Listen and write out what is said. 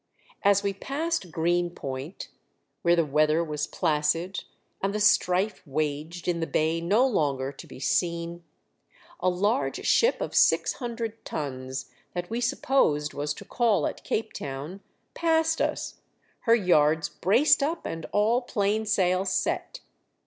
As we passed Green Point, where the weather was placid and the strife waged in the bay no longer to be seen, a large ship of six hundred tons, that we supposed was to call at Cape Town, passed us, her yards braced up and all plain sail set.